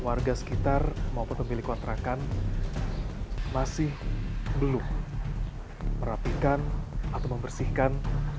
warga sekitar maupun pemilik kontrakan masih belum merapikan atau membersihkan